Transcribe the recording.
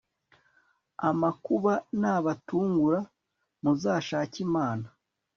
amakuba nabatungura muzashake imana